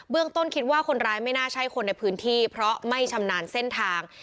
ต้นคิดว่าคนร้ายไม่น่าใช่คนในพื้นที่เพราะไม่ชำนาญเส้นทาง